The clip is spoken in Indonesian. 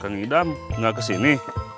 kang ida gak kesini